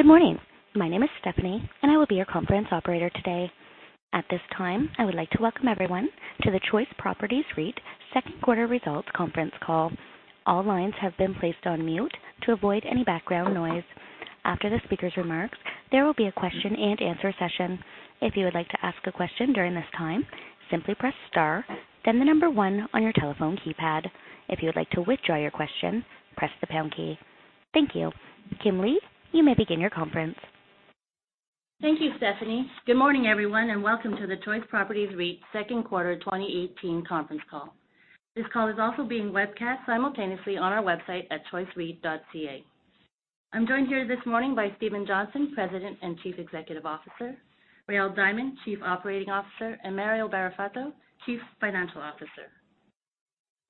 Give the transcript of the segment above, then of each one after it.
Good morning. My name is Stephanie, I will be your conference operator today. At this time, I would like to welcome everyone to the Choice Properties REIT Second Quarter Results Conference Call. All lines have been placed on mute to avoid any background noise. After the speaker's remarks, there will be a question and answer session. If you would like to ask a question during this time, simply press star, then the number one on your telephone keypad. If you would like to withdraw your question, press the pound key. Thank you. Kim Lee, you may begin your conference. Thank you, Stephanie. Good morning, everyone, welcome to the Choice Properties REIT Second Quarter 2018 conference call. This call is also being webcast simultaneously on our website at choicereit.ca. I'm joined here this morning by Stephen Johnson, President and Chief Executive Officer, Rael Diamond, Chief Operating Officer, and Mario Barrafato, Chief Financial Officer.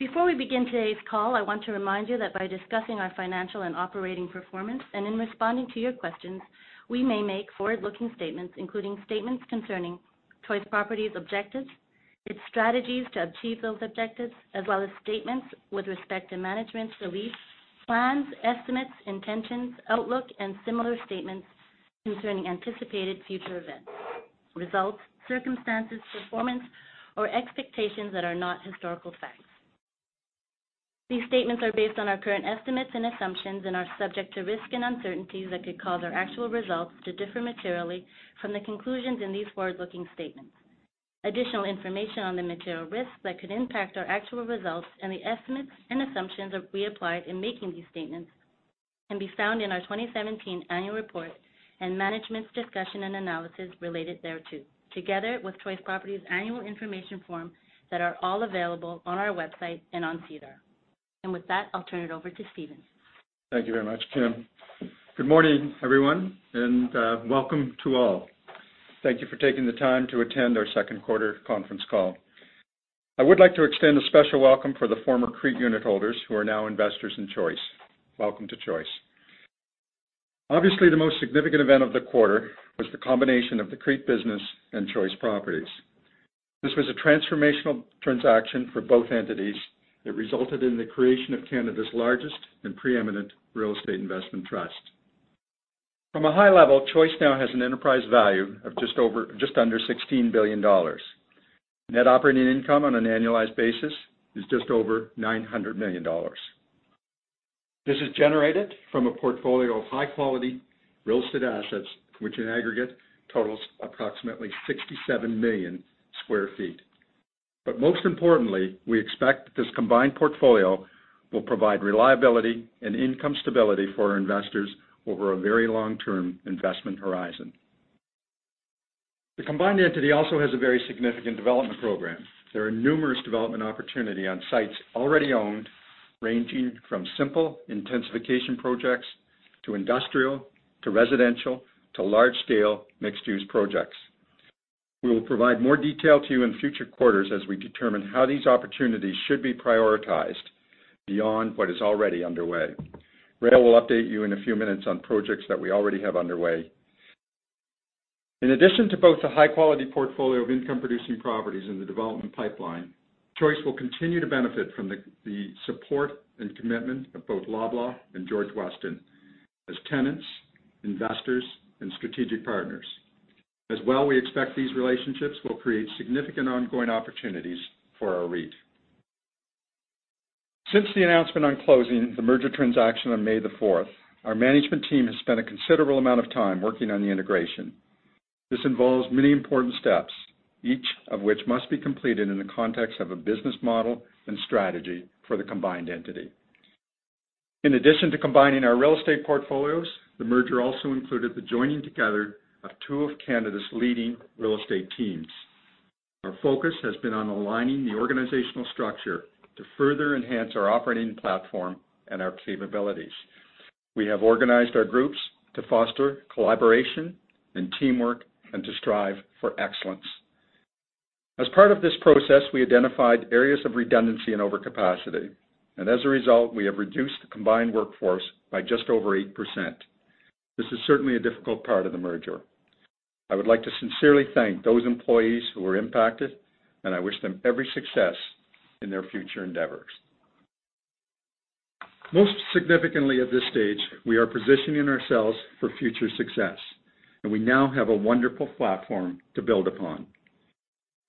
Before we begin today's call, I want to remind you that by discussing our financial and operating performance, and in responding to your questions, we may make forward-looking statements, including statements concerning Choice Properties' objectives, its strategies to achieve those objectives, as well as statements with respect to management's beliefs, plans, estimates, intentions, outlook, and similar statements concerning anticipated future events, results, circumstances, performance, or expectations that are not historical facts. These statements are based on our current estimates and assumptions and are subject to risk and uncertainties that could cause our actual results to differ materially from the conclusions in these forward-looking statements. Additional information on the material risks that could impact our actual results and the estimates and assumptions we applied in making these statements can be found in our 2017 annual report and management's discussion and analysis related thereto, together with Choice Properties annual information form that are all available on our website and on SEDAR. With that, I'll turn it over to Stephen. Thank you very much, Kim. Good morning, everyone, welcome to all. Thank you for taking the time to attend our second quarter conference call. I would like to extend a special welcome for the former CREIT unit holders who are now investors in Choice. Welcome to Choice. Obviously, the most significant event of the quarter was the combination of the CREIT business and Choice Properties. This was a transformational transaction for both entities that resulted in the creation of Canada's largest and preeminent real estate investment trust. From a high level, Choice now has an enterprise value of just under 16 billion dollars. Net operating income on an annualized basis is just over 900 million dollars. This is generated from a portfolio of high-quality real estate assets, which in aggregate totals approximately 67 million sq ft. Most importantly, we expect that this combined portfolio will provide reliability and income stability for our investors over a very long-term investment horizon. The combined entity also has a very significant development program. There are numerous development opportunity on sites already owned, ranging from simple intensification projects to industrial, to residential, to large-scale mixed-use projects. We will provide more detail to you in future quarters as we determine how these opportunities should be prioritized beyond what is already underway. Rael will update you in a few minutes on projects that we already have underway. In addition to both the high-quality portfolio of income-producing properties in the development pipeline, Choice will continue to benefit from the support and commitment of both Loblaw and George Weston as tenants, investors, and strategic partners. As well, we expect these relationships will create significant ongoing opportunities for our REIT. Since the announcement on closing the merger transaction on May the 4th, our management team has spent a considerable amount of time working on the integration. This involves many important steps, each of which must be completed in the context of a business model and strategy for the combined entity. In addition to combining our real estate portfolios, the merger also included the joining together of two of Canada's leading real estate teams. Our focus has been on aligning the organizational structure to further enhance our operating platform and our capabilities. We have organized our groups to foster collaboration and teamwork and to strive for excellence. As part of this process, we identified areas of redundancy and overcapacity, and as a result, we have reduced the combined workforce by just over 8%. This is certainly a difficult part of the merger. I would like to sincerely thank those employees who were impacted, and I wish them every success in their future endeavors. Most significantly at this stage, we are positioning ourselves for future success, and we now have a wonderful platform to build upon.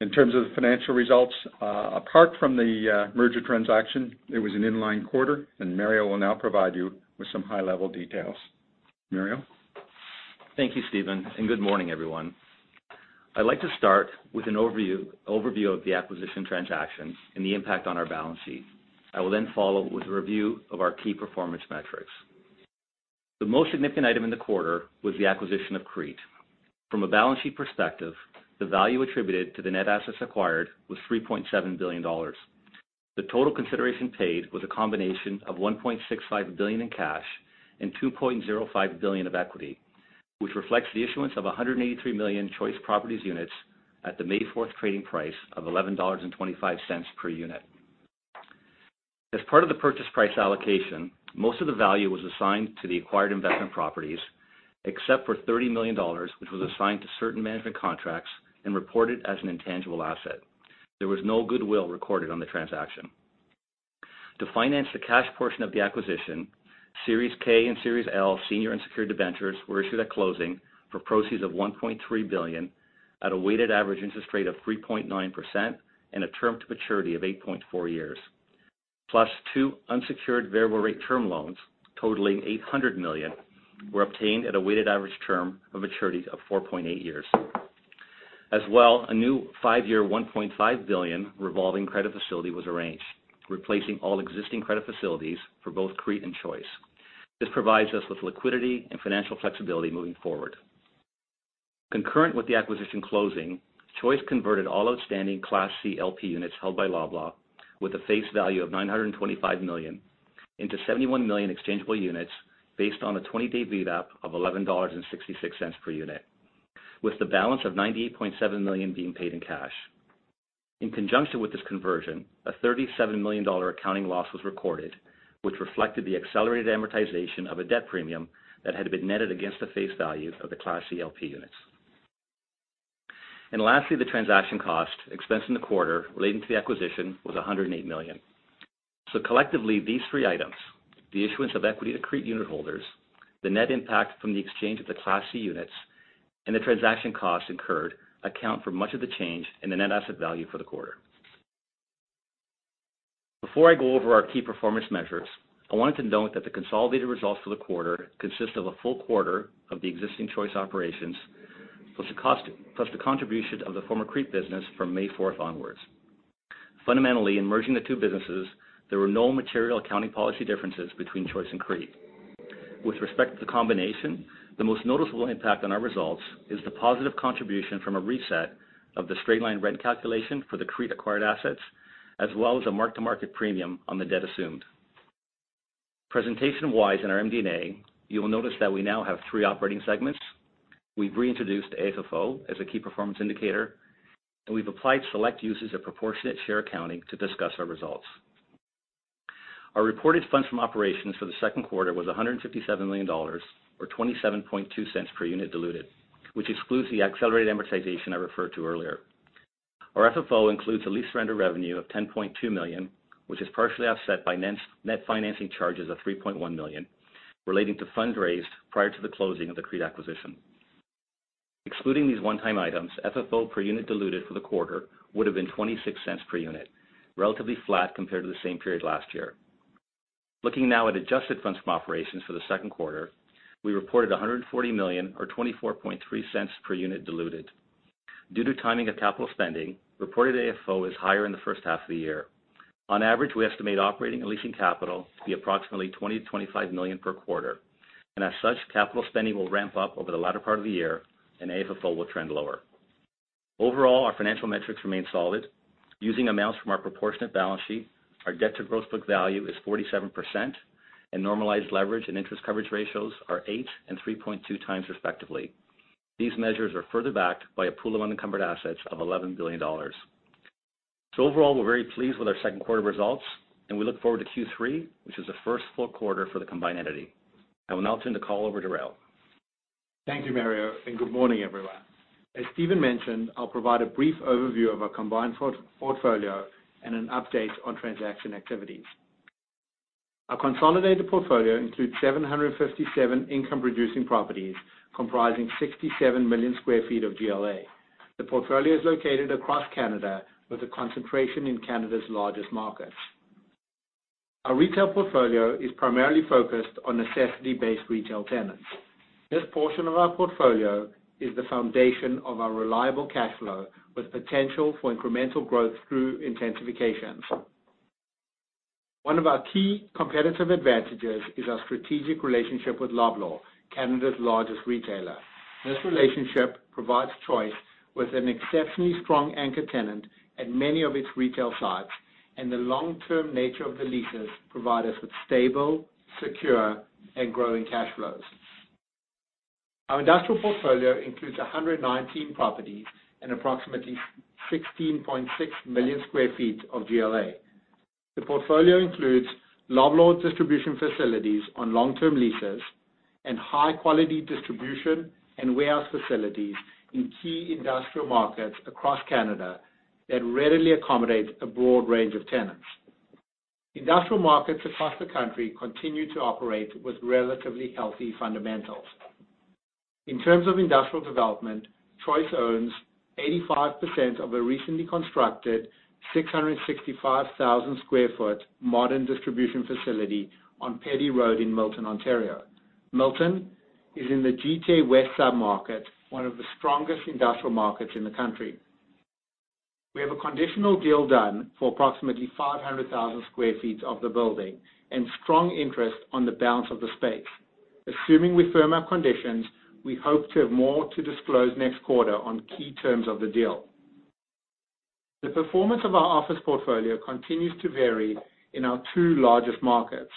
In terms of the financial results, apart from the merger transaction, it was an in-line quarter, and Mario will now provide you with some high-level details. Mario? Thank you, Stephen, and good morning, everyone. I'd like to start with an overview of the acquisition transactions and the impact on our balance sheet. I will follow with a review of our key performance metrics. The most significant item in the quarter was the acquisition of CREIT. From a balance sheet perspective, the value attributed to the net assets acquired was 3.7 billion dollars. The total consideration paid was a combination of 1.65 billion in cash and 2.05 billion of equity, which reflects the issuance of 183 million Choice Properties units at the May 4th trading price of 11.25 dollars per unit. As part of the purchase price allocation, most of the value was assigned to the acquired investment properties, except for 30 million dollars, which was assigned to certain management contracts and reported as an intangible asset. There was no goodwill recorded on the transaction. To finance the cash portion of the acquisition, Series K and Series L senior unsecured debentures were issued at closing for proceeds of 1.3 billion at a weighted average interest rate of 3.9% and a term to maturity of 8.4 years. Plus two unsecured variable rate term loans totaling 800 million were obtained at a weighted average term of maturities of 4.8 years. As well, a new five-year 1.5 billion revolving credit facility was arranged, replacing all existing credit facilities for both CREIT and Choice. This provides us with liquidity and financial flexibility moving forward. Concurrent with the acquisition closing, Choice converted all outstanding Class C LP units held by Loblaw with a face value of 925 million into 71 million exchangeable units based on a 20-day VWAP of 11.66 dollars per unit, with the balance of 98.7 million being paid in cash. In conjunction with this conversion, a 37 million dollar accounting loss was recorded, which reflected the accelerated amortization of a debt premium that had been netted against the face value of the Class C LP units. Lastly, the transaction cost expense in the quarter relating to the acquisition was 108 million. Collectively, these three items, the issuance of equity to CREIT unit holders, the net impact from the exchange of the Class C units, and the transaction costs incurred account for much of the change in the net asset value for the quarter. Before I go over our key performance measures, I wanted to note that the consolidated results for the quarter consist of a full quarter of the existing Choice operations, plus the contribution of the former CREIT business from May 4th onwards. Fundamentally, in merging the two businesses, there were no material accounting policy differences between Choice and CREIT. With respect to the combination, the most noticeable impact on our results is the positive contribution from a reset of the straight-line rent calculation for the CREIT-acquired assets, as well as a mark-to-market premium on the debt assumed. Presentation-wise, in our MD&A, you will notice that we now have three operating segments. We've reintroduced AFFO as a key performance indicator, and we've applied select uses of proportionate share accounting to discuss our results. Our reported funds from operations for the second quarter was 157 million dollars, or 0.272 per unit diluted, which excludes the accelerated amortization I referred to earlier. Our FFO includes a lease surrender revenue of 10.2 million, which is partially offset by net financing charges of 3.1 million relating to funds raised prior to the closing of the CREIT acquisition. Excluding these one-time items, FFO per unit diluted for the quarter would have been 0.26 per unit, relatively flat compared to the same period last year. Looking now at adjusted funds from operations for the second quarter, we reported 140 million or 0.243 per unit diluted. Due to timing of capital spending, reported AFFO is higher in the first half of the year. On average, we estimate operating and leasing capital to be approximately 20 million-25 million per quarter. As such, capital spending will ramp up over the latter part of the year, and AFFO will trend lower. Overall, our financial metrics remain solid. Using amounts from our proportionate balance sheet, our debt to gross book value is 47%, and normalized leverage and interest coverage ratios are 8 and 3.2 times respectively. These measures are further backed by a pool of unencumbered assets of 11 billion dollars. Overall, we're very pleased with our second quarter results, and we look forward to Q3, which is the first full quarter for the combined entity. I will now turn the call over to Rael. Thank you, Mario, and good morning, everyone. As Stephen mentioned, I'll provide a brief overview of our combined portfolio and an update on transaction activities. Our consolidated portfolio includes 757 income-producing properties comprising 67 million square feet of GLA. The portfolio is located across Canada with a concentration in Canada's largest markets. Our retail portfolio is primarily focused on necessity-based retail tenants. This portion of our portfolio is the foundation of our reliable cash flow with potential for incremental growth through intensifications. One of our key competitive advantages is our strategic relationship with Loblaw, Canada's largest retailer. This relationship provides Choice with an exceptionally strong anchor tenant at many of its retail sites, and the long-term nature of the leases provide us with stable, secure, and growing cash flows. Our industrial portfolio includes 119 properties and approximately 16.6 million square feet of GLA. The portfolio includes Loblaw distribution facilities on long-term leases and high-quality distribution and warehouse facilities in key industrial markets across Canada that readily accommodate a broad range of tenants. Industrial markets across the country continue to operate with relatively healthy fundamentals. In terms of industrial development, Choice owns 85% of a recently constructed 665,000-square-foot modern distribution facility on Peddie Road in Milton, Ontario. Milton is in the GTA West sub-market, one of the strongest industrial markets in the country. We have a conditional deal done for approximately 500,000 square feet of the building and strong interest on the balance of the space. Assuming we firm our conditions, we hope to have more to disclose next quarter on key terms of the deal. The performance of our office portfolio continues to vary in our two largest markets.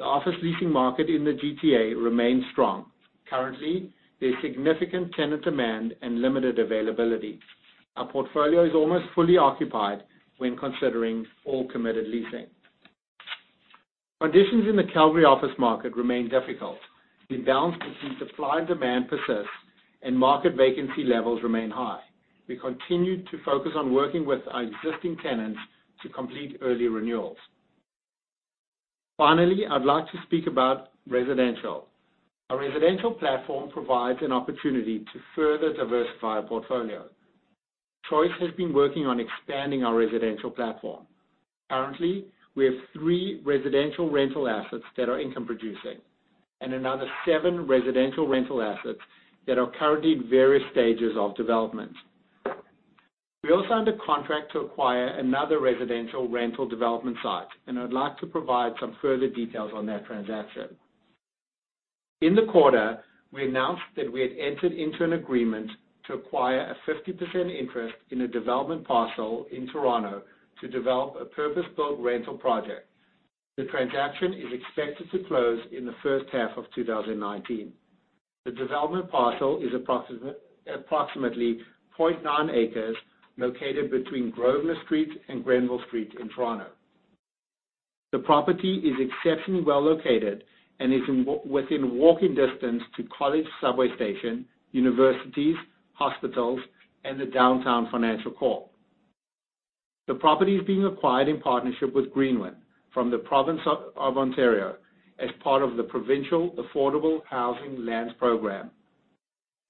The office leasing market in the GTA remains strong. Currently, there's significant tenant demand and limited availability. Our portfolio is almost fully occupied when considering all committed leasing. Conditions in the Calgary office market remain difficult. The imbalance between supply and demand persists, and market vacancy levels remain high. We continue to focus on working with our existing tenants to complete early renewals. Finally, I'd like to speak about residential. Our residential platform provides an opportunity to further diversify our portfolio. Choice has been working on expanding our residential platform. Currently, we have three residential rental assets that are income producing and another seven residential rental assets that are currently in various stages of development. We also signed a contract to acquire another residential rental development site, and I'd like to provide some further details on that transaction. In the quarter, we announced that we had entered into an agreement to acquire a 50% interest in a development parcel in Toronto to develop a purpose-built rental project. The transaction is expected to close in the first half of 2019. The development parcel is approximately 0.9 acres located between Grosvenor Street and Grenville Street in Toronto. The property is exceptionally well located and is within walking distance to College subway station, universities, hospitals, and the downtown financial core. The property is being acquired in partnership with Greenwin from the province of Ontario as part of the Provincial Affordable Housing Lands Program.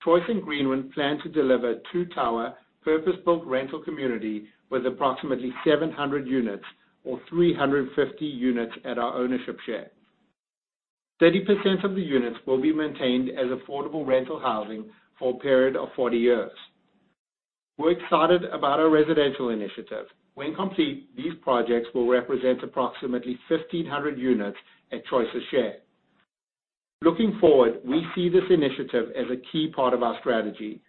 Choice and Greenwin plan to deliver a two-tower, purpose-built rental community with approximately 700 units or 350 units at our ownership share. 30% of the units will be maintained as affordable rental housing for a period of 40 years. We're excited about our residential initiative. When complete, these projects will represent approximately 1,500 units at Choice's share. Looking forward, we see this initiative as a key part of our strategy.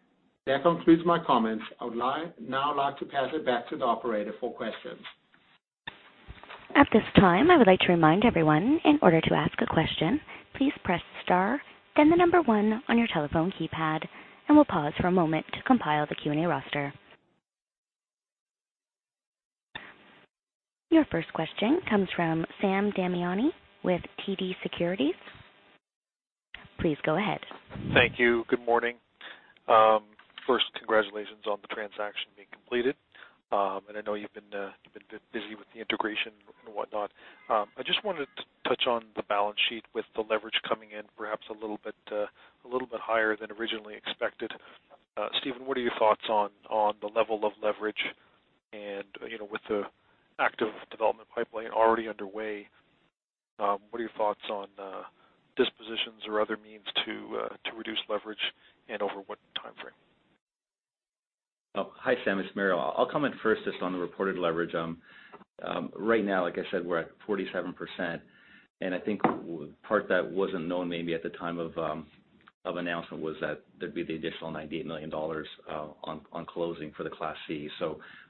That concludes my comments. I would now like to pass it back to the operator for questions. At this time, I would like to remind everyone, in order to ask a question, please press star then the number 1 on your telephone keypad, and we'll pause for a moment to compile the Q&A roster. Your first question comes from Sam Damiani with TD Securities. Please go ahead. Thank you. Good morning. First, congratulations on the transaction being completed. I know you've been a bit busy with the integration and whatnot. I just wanted to touch on the balance sheet with the leverage coming in perhaps a little bit higher than originally expected. Stephen, what are your thoughts on the level of leverage and, with the active development pipeline already underway, what are your thoughts on dispositions or other means to reduce leverage and over what timeframe? Hi, Sam. It's Mario. I'll come in first just on the reported leverage. Right now, like I said, we're at 47%, and I think part that wasn't known maybe at the time of announcement was that there'd be the additional 98 million dollars on closing for the Class C.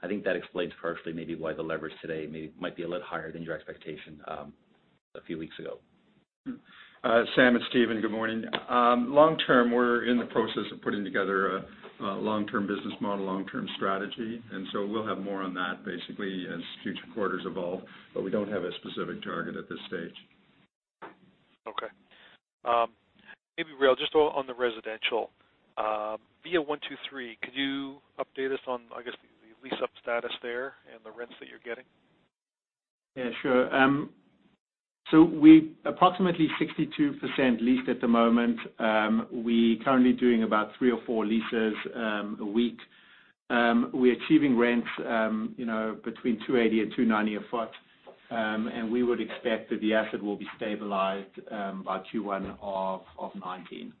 I think that explains partially maybe why the leverage today might be a little higher than your expectation a few weeks ago. Sam, it's Stephen. Good morning. Long term, we're in the process of putting together a long-term business model, long-term strategy. We'll have more on that basically as future quarters evolve. We don't have a specific target at this stage. Okay. Maybe, Rael, just on the residential. VIA123, could you update us on, I guess, the lease-up status there and the rents that you're getting? Yeah, sure. We approximately 62% leased at the moment. We currently doing about three or four leases a week. We're achieving rents between 2.80 and 2.90 a foot. We would expect that the asset will be stabilized by Q1 of 2019.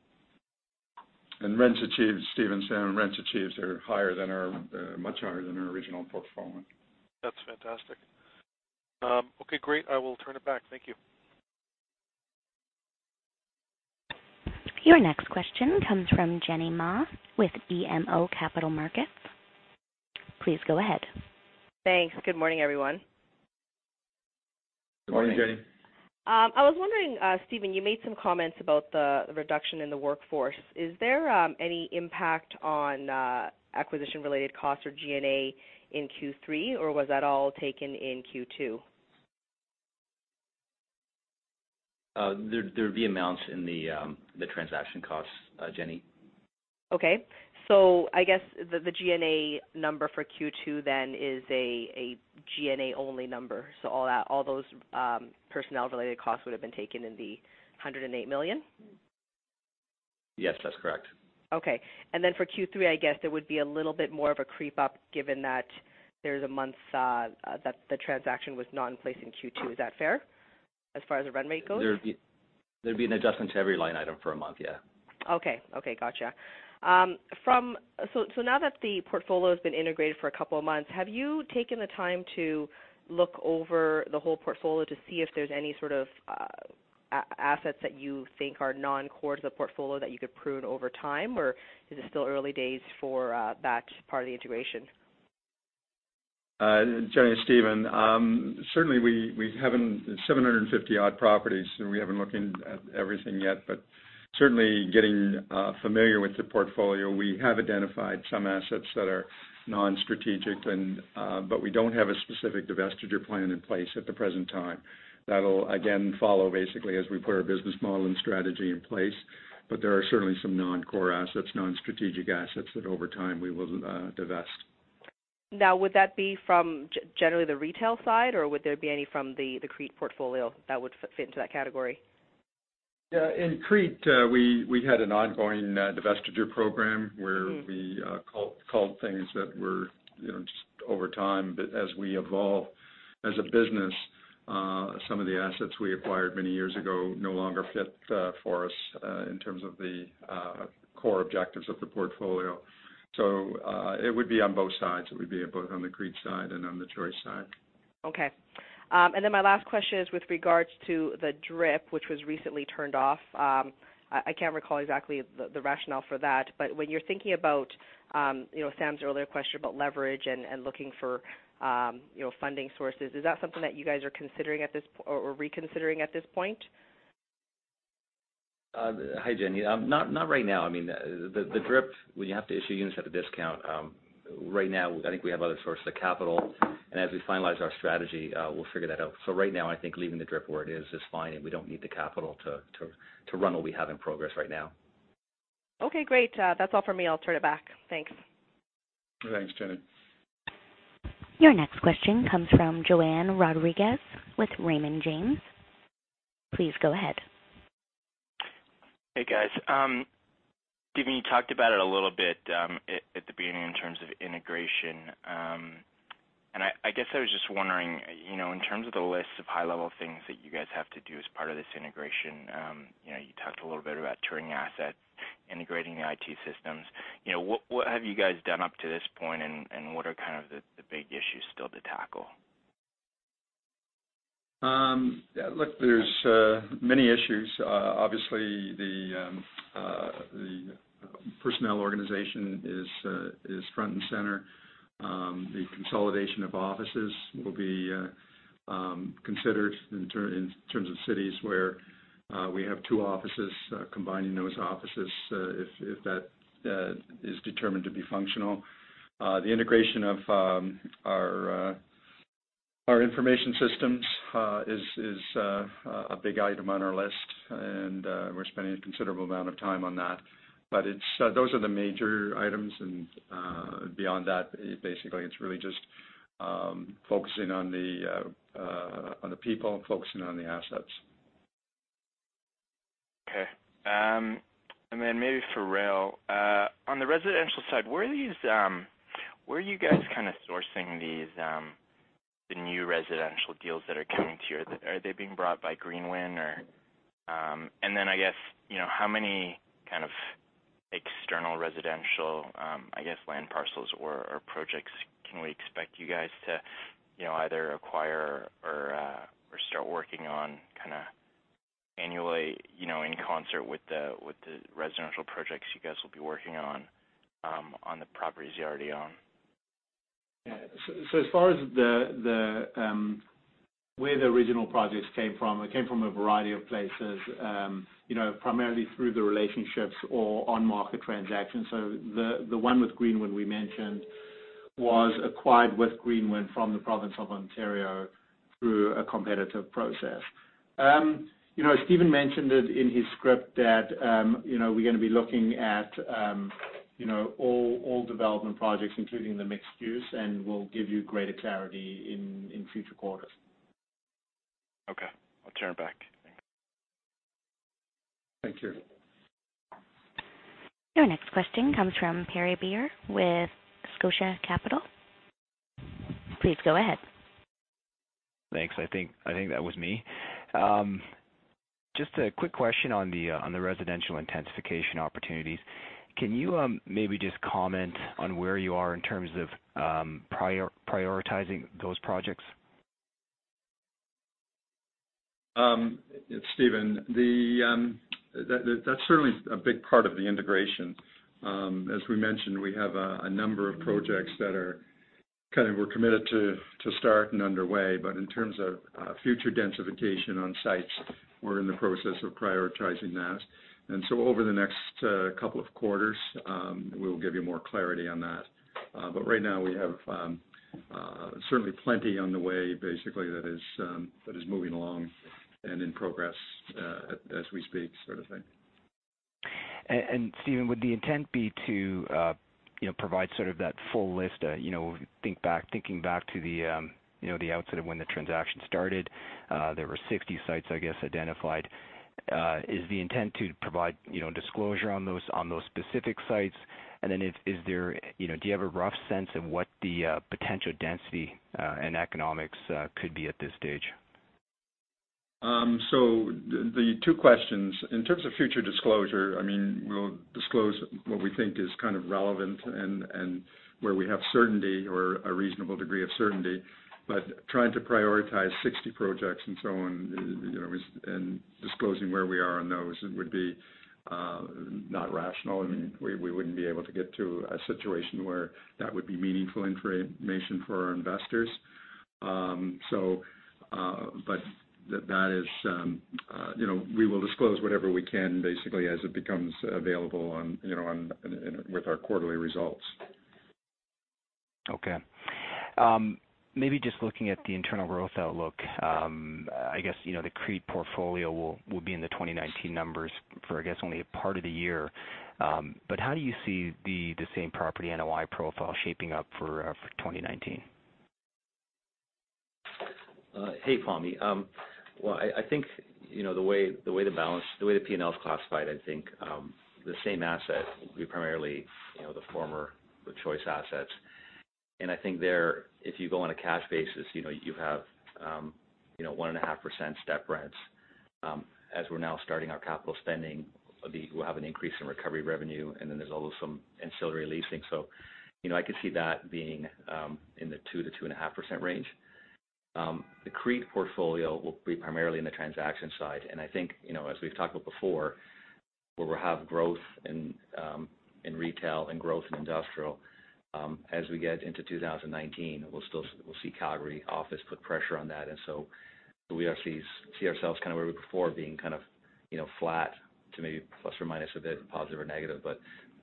Rents achieved, Stephen, Sam, rents achieved are much higher than our original pro forma. That's fantastic. Okay, great. I will turn it back. Thank you. Your next question comes from Jenny Ma with BMO Capital Markets. Please go ahead. Thanks. Good morning, everyone. Good morning, Jenny. I was wondering, Stephen, you made some comments about the reduction in the workforce. Is there any impact on acquisition-related costs or G&A in Q3, or was that all taken in Q2? There'd be amounts in the transaction costs, Jenny. Okay. I guess the G&A number for Q2 then is a G&A-only number. All those personnel-related costs would've been taken in the 108 million? Yes, that's correct. Okay. Then for Q3, I guess there would be a little bit more of a creep up given that there's a month that the transaction was not in place in Q2. Is that fair as far as the run rate goes? There'd be an adjustment to every line item for a month, yeah. Okay. Gotcha. Now that the portfolio has been integrated for a couple of months, have you taken the time to look over the whole portfolio to see if there's any sort of assets that you think are non-core to the portfolio that you could prune over time, or is it still early days for that part of the integration? Jenny, it's Stephen. Certainly, we have 750 odd properties, and we haven't looked at everything yet. Certainly getting familiar with the portfolio, we have identified some assets that are non-strategic, we don't have a specific divestiture plan in place at the present time. That'll again follow basically as we put our business model and strategy in place. There are certainly some non-core assets, non-strategic assets that over time we will divest. Would that be from generally the retail side, or would there be any from the CREIT portfolio that would fit into that category? In CREIT, we had an ongoing divestiture program where we culled things that were just over time. As we evolve as a business, some of the assets we acquired many years ago no longer fit for us in terms of the core objectives of the portfolio. It would be on both sides. It would be both on the CREIT side and on the Choice side. My last question is with regards to the DRIP, which was recently turned off. I can't recall exactly the rationale for that, when you're thinking about Sam's earlier question about leverage and looking for funding sources, is that something that you guys are considering or reconsidering at this point? Hi, Jenny. Not right now. The DRIP, when you have to issue units at a discount. Right now, I think we have other sources of capital, and as we finalize our strategy, we'll figure that out. Right now, I think leaving the DRIP where it is is fine, and we don't need the capital to run what we have in progress right now. Great. That's all for me, I'll turn it back. Thanks. Thanks, Jenny. Your next question comes from Joanne Rodriguez with Raymond James. Please go ahead. Hey, guys. Stephen, you talked about it a little bit, at the beginning in terms of integration. I guess I was just wondering, in terms of the list of high-level things that you guys have to do as part of this integration. You talked a little bit about turning assets, integrating the IT systems. What have you guys done up to this point, and what are the big issues still to tackle? Look, there's many issues. Obviously, the personnel organization is front and center. The consolidation of offices will be considered in terms of cities where we have two offices, combining those offices, if that is determined to be functional. The integration of our information systems is a big item on our list, and we're spending a considerable amount of time on that. Those are the major items, and beyond that, basically it's really just focusing on the people and focusing on the assets. Okay. Then maybe for Rael. On the residential side, where are you guys sourcing the new residential deals that are coming to you? Are they being brought by Greenwin? Then, I guess, how many kind of external residential land parcels or projects can we expect you guys to either acquire or start working on kind of annually in concert with the residential projects you guys will be working on the properties you already own? As far as where the original projects came from, it came from a variety of places. Primarily through the relationships or on-market transactions. The one with Greenwin we mentioned was acquired with Greenwin from the Province of Ontario through a competitive process. Stephen mentioned it in his script that we're going to be looking at all development projects, including the mixed use, and we'll give you greater clarity in future quarters. Okay. I'll turn it back. Thanks. Thank you. Your next question comes from Pammi Bir with Scotia Capital. Please go ahead. Thanks. I think that was me. Just a quick question on the residential intensification opportunities. Can you maybe just comment on where you are in terms of prioritizing those projects? It's Stephen. That's certainly a big part of the integration. As we mentioned, we have a number of projects that we're committed to start and underway. In terms of future densification on sites, we're in the process of prioritizing that. Over the next couple of quarters, we'll give you more clarity on that. Right now, we have certainly plenty on the way, basically, that is moving along and in progress as we speak sort of thing. Stephen, would the intent be to provide sort of that full list? Thinking back to the outset of when the transaction started, there were 60 sites, I guess, identified. Is the intent to provide disclosure on those specific sites? Do you have a rough sense of what the potential density and economics could be at this stage? The two questions. In terms of future disclosure, we'll disclose what we think is kind of relevant and where we have certainty or a reasonable degree of certainty. Trying to prioritize 60 projects and so on, and disclosing where we are on those would be not rational. We wouldn't be able to get to a situation where that would be meaningful information for our investors. We will disclose whatever we can basically as it becomes available with our quarterly results. Okay. Maybe just looking at the internal growth outlook, I guess, the CREIT portfolio will be in the 2019 numbers for, I guess, only a part of the year. How do you see the same property NOI profile shaping up for 2019? Hey, Pammi. Well, I think, the way the P&L is classified, I think, the same asset will be primarily, the former, the Choice assets. I think there, if you go on a cash basis, you have 1.5% step rents. As we're now starting our capital spending, we'll have an increase in recovery revenue, and then there's also some ancillary leasing. I could see that being in the 2 to 2.5% range. The CREIT portfolio will be primarily in the transaction side, and I think, as we've talked about before, where we'll have growth in retail and growth in industrial. As we get into 2019, we'll see Calgary office put pressure on that. We see ourselves kind of where we were before being kind of flat to maybe plus or minus a bit, positive or negative.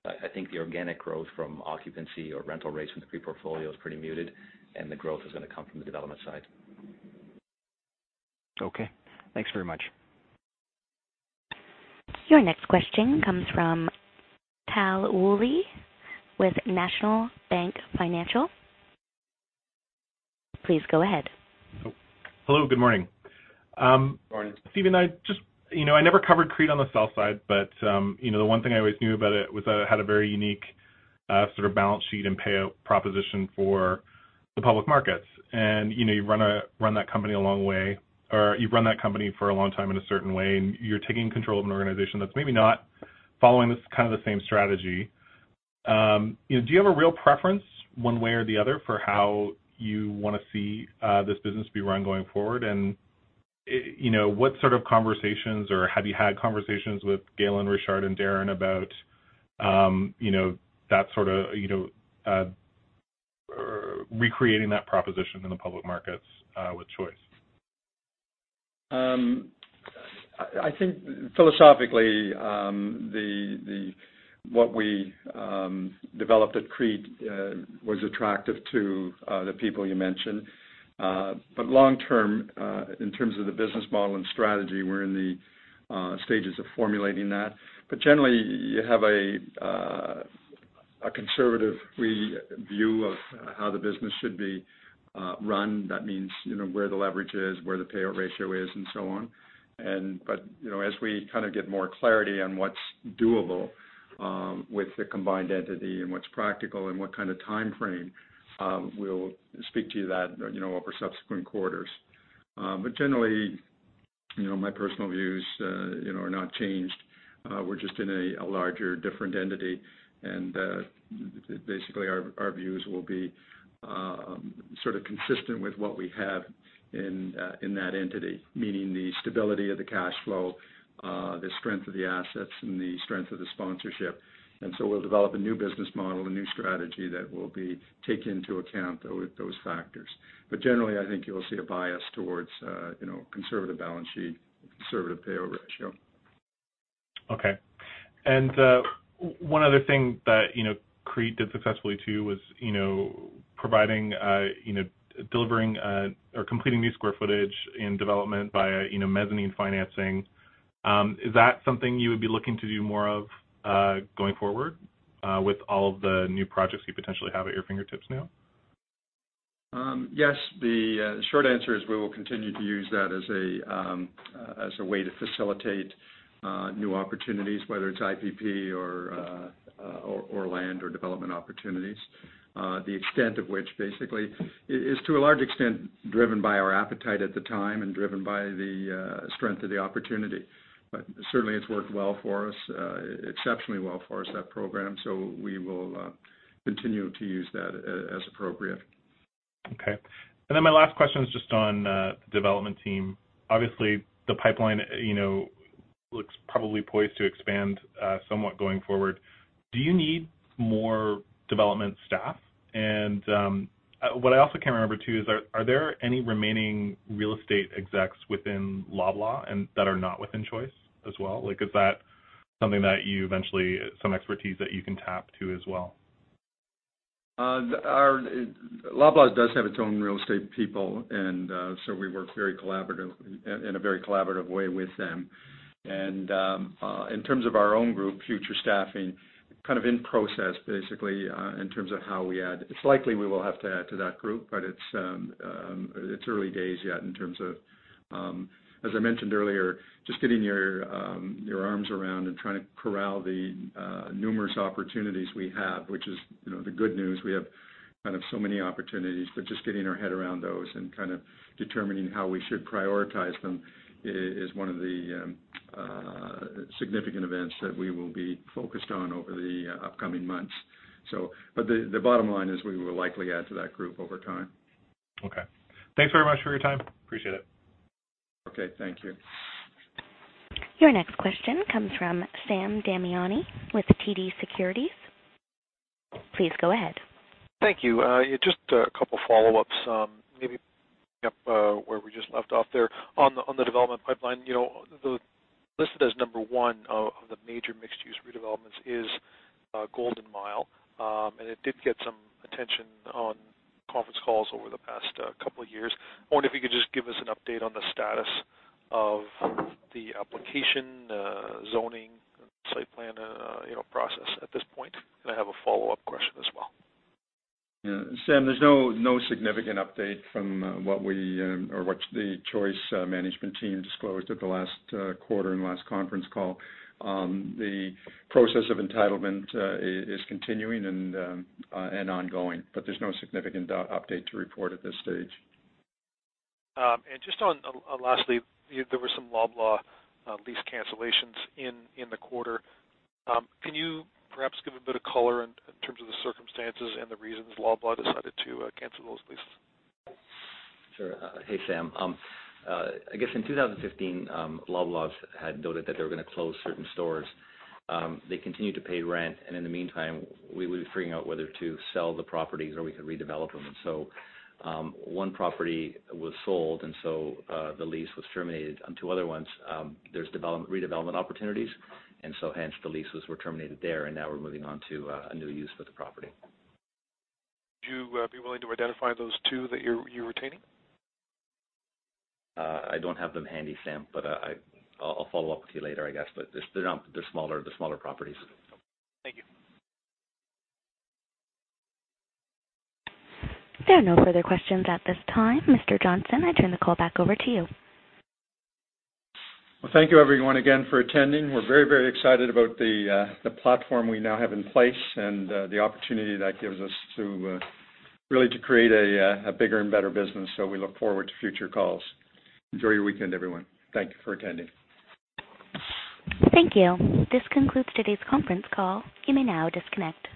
I think the organic growth from occupancy or rental rates from the CREIT portfolio is pretty muted, and the growth is going to come from the development side. Okay. Thanks very much. Your next question comes from Tal Woolley with National Bank Financial. Please go ahead. Hello. Good morning. Morning. Stephen, I never covered CREIT on the sell side, but the one thing I always knew about it was that it had a very unique sort of balance sheet and payout proposition for the public markets. You've run that company for a long time in a certain way, and you're taking control of an organization that's maybe not following kind of the same strategy. Do you have a real preference one way or the other for how you want to see this business be run going forward? What sort of conversations, or have you had conversations with Galen Richard and Darren about recreating that proposition in the public markets with Choice? I think philosophically, what we developed at CREIT was attractive to the people you mentioned. Long term, in terms of the business model and strategy, we're in the stages of formulating that. Generally, you have a conservative view of how the business should be run. That means, where the leverage is, where the payout ratio is, and so on. As we kind of get more clarity on what's doable with the combined entity and what's practical and what kind of timeframe, we'll speak to you that over subsequent quarters. Generally, my personal views are not changed. We're just in a larger, different entity. Basically our views will be sort of consistent with what we have in that entity. Meaning the stability of the cash flow, the strength of the assets, and the strength of the sponsorship. We'll develop a new business model and new strategy that will take into account those factors. Generally, I think you'll see a bias towards a conservative balance sheet and conservative payout ratio. Okay. One other thing that CREIT did successfully too was completing new square footage in development via mezzanine financing. Is that something you would be looking to do more of, going forward, with all of the new projects you potentially have at your fingertips now? Yes. The short answer is we will continue to use that as a way to facilitate new opportunities, whether it's IPP or land or development opportunities. The extent of which basically is to a large extent driven by our appetite at the time and driven by the strength of the opportunity. Certainly it's worked well for us, exceptionally well for us, that program. We will continue to use that as appropriate. Okay. My last question is just on the development team. Obviously, the pipeline looks probably poised to expand somewhat going forward. Do you need more development staff? What I also can't remember, too, is are there any remaining real estate execs within Loblaw that are not within Choice as well? Is that some expertise that you can tap to as well? Loblaw's does have its own real estate people, we work in a very collaborative way with them. In terms of our own group, future staffing, kind of in process basically, in terms of how we add. It's likely we will have to add to that group, it's early days yet. As I mentioned earlier, just getting your arms around and trying to corral the numerous opportunities we have. Which is the good news. We have kind of so many opportunities, just getting our head around those and kind of determining how we should prioritize them is one of the significant events that we will be focused on over the upcoming months. The bottom line is we will likely add to that group over time. Okay. Thanks very much for your time. Appreciate it. Okay. Thank you. Your next question comes from Sam Damiani with TD Securities. Please go ahead. Thank you. Just a couple follow-ups. Maybe picking up where we just left off there on the development pipeline. Listed as number 1 of the major mixed-use redevelopments is Golden Mile, and it did get some attention on conference calls over the past couple of years. I wonder if you could just give us an update on the status of the application, zoning, and site plan process at this point. I have a follow-up question as well. Yeah. Sam, there's no significant update from what the Choice management team disclosed at the last quarter and last conference call. The process of entitlement is continuing and ongoing, there's no significant update to report at this stage. Just lastly, there were some Loblaw lease cancellations in the quarter. Can you perhaps give a bit of color in terms of the circumstances and the reasons Loblaw decided to cancel those leases? Sure. Hey, Sam. I guess in 2015, Loblaw had noted that they were going to close certain stores. They continued to pay rent, in the meantime, we were figuring out whether to sell the properties or we could redevelop them. One property was sold, and so the lease was terminated. On two other ones, there's redevelopment opportunities, hence the leases were terminated there, now we're moving on to a new use for the property. Would you be willing to identify those two that you're retaining? I don't have them handy, Sam, but I'll follow up with you later, I guess. They're smaller properties. Thank you. There are no further questions at this time. Mr. Johnson, I turn the call back over to you. Well, thank you everyone again for attending. We're very, very excited about the platform we now have in place and the opportunity that gives us really to create a bigger and better business. We look forward to future calls. Enjoy your weekend, everyone. Thank you for attending. Thank you. This concludes today's conference call. You may now disconnect.